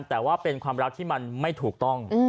แต่ว่าเป็นความรักที่มันไม่ถูกต้อง